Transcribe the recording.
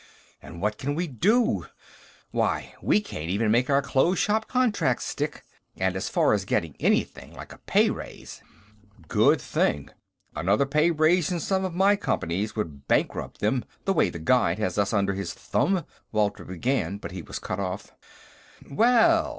And what can we do? Why, we can't even make our closed shop contracts stick. And as far as getting anything like a pay raise...." "Good thing. Another pay raise in some of my companies would bankrupt them, the way The Guide has us under his thumb...." Walter began, but he was cut off. "Well!